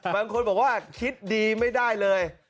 บางคนบอกว่าคิดดีไม่ได้เลย